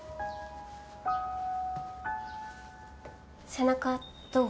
背中どう？